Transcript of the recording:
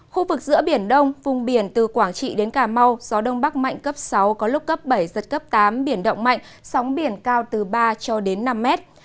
khu vực giữa biển đông vùng biển từ quảng trị đến cà mau gió đông bắc mạnh cấp sáu có lúc cấp bảy giật cấp tám biển động mạnh sóng biển cao từ ba cho đến năm mét